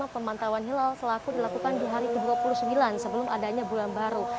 pemantauan hilal selaku dilakukan di hari ke dua puluh sembilan sebelum adanya bulan baru